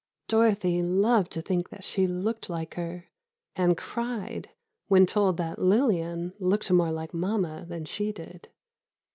Dorothy loved to think that she looked like her, and cried when told that Lillian "looked more like Mama" than she did.